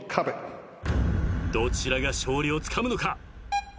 どちらが勝利をつかむのか？